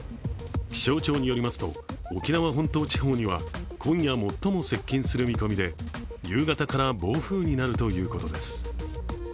気象庁によりますと沖縄本島地方には、今夜最も接近する見込みで夕方から暴風になるということです。